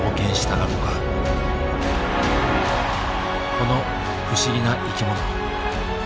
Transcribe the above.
この不思議な生き物。